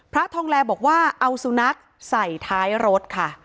พระทองแลบอกว่าเอาสุนัขใส่ท้ายรถค่ะ